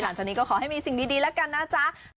หลังจากนี้ก็ขอให้มีสิ่งดีแล้วกันนะจ๊ะ